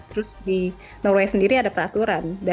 terus di norwegia sendiri ada perhubungan yang berbeda